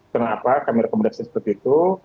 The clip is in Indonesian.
kenapa kami rekomendasikan seperti itu